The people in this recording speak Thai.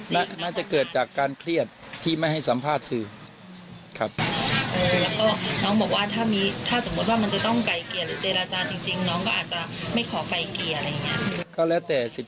น่าจะเกิดจากการเครียดที่ไม่ให้สัมภาษณ์สื่อ